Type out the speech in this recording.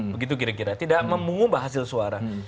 begitu kira kira tidak memungut bahas suara